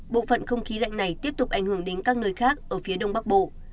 bộ phận không khí lạnh này tiếp tục ảnh hưởng đến các nơi khác ở phía đông bắc bộ